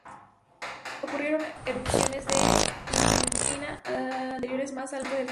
Ocurrieron erupciones de ignimbrita anteriores más al norte del Taupo.